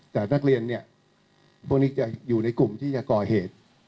แต่นักเรียนเนี่ยพวกนี้จะอยู่ในกลุ่มที่จะก่อเหตุ